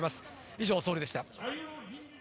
以上、ソウルでした。